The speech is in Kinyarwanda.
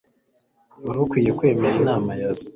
Wari ukwiye kwemera inama ze.